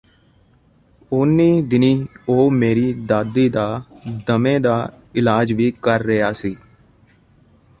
ਉਹਨੀ ਦਿਨੀ ਉਹ ਮੇਰੀ ਦਾਦੀ ਦਾ ਦਮੇ ਦਾ ਇਲਾਜ ਵੀ ਕਰ ਰਿਹਾ ਸੀ